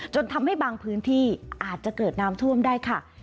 จนทำให้บางพื้นที่อาจจะเกิดน้ำท่วมได้ค่ะ